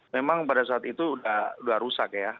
memang pada saat itu sudah rusak ya